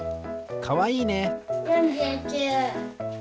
かわいいね！